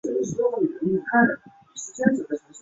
天顺六年壬午科顺天乡试第一名。